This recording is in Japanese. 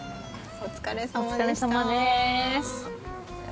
お疲れさまでした。